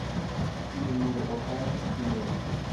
Tio nur okazis tiel.